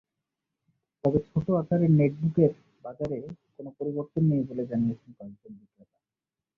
তবে ছোট আকারের নেটবুকের বাজারে কোনো পরিবর্তন নেই বলে জানিয়েছেন কয়েকজন বিক্রেতা।